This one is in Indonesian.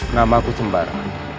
nama aku sembarang